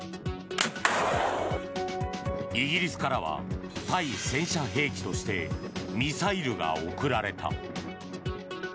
イギリスからは対戦車兵器としてミサイルが贈られた。